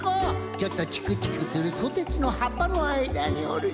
ちょっとチクチクするソテツのはっぱのあいだにおるぞ。